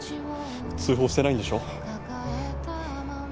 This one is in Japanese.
通報してないんでしょ？